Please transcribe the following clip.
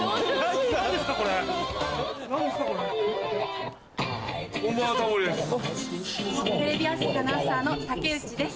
テレビ朝日アナウンサーのタケウチです。